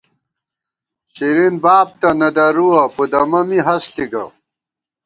شرین باب تہ نہ درُوَہ پُدَمہ می ہست ݪی گہ